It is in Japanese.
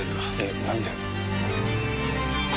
「えっ？何で？」